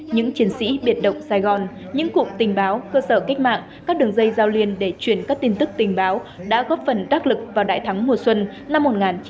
những chiến sĩ biệt động sài gòn những cụm tình báo cơ sở cách mạng các đường dây giao liên để truyền các tin tức tình báo đã góp phần đắc lực vào đại thắng mùa xuân năm một nghìn chín trăm bốn mươi năm